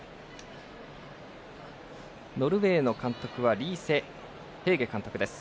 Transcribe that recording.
ノルウェーの監督はリーセ・ヘーゲ監督です。